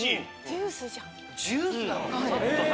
ジュースだわ。